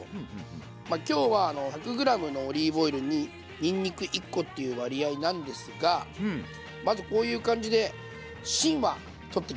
今日は１００ｇのオリーブオイルににんにく１コっていう割合なんですがまずこういう感じで芯は取っていきますね。